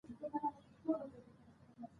افغانستان د سیلاني ځایونو په برخه کې کار کوي.